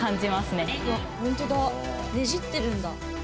ねじってるんだ。